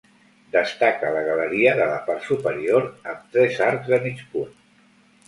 Destaca la galeria de la part superior, amb tres arcs de mig punt.